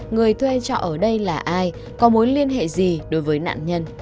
người thuê trọ ở đây là ai có mối liên hệ gì đối với nạn nhân